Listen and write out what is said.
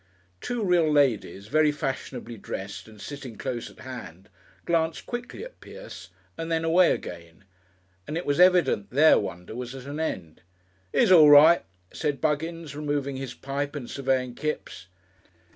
_ Two real ladies, very fashionably dressed and sitting close at hand, glanced quickly at Pierce, and then away again, and it was evident their wonder was at an end. "He's all right," said Buggins, removing his pipe and surveying Kipps.